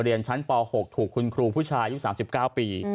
เรียนชั้นป๖ถูกคุณครูผู้ชายอายุ๓๙ปี